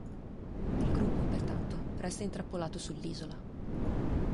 Il gruppo, pertanto, resta intrappolato sull'isola.